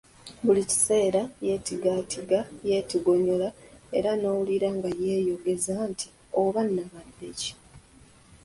Buli kiseera yeetigaatiga, yeetigonyoola , era n'owulira nga yeeyogeza nti, " oba nnabadde ki?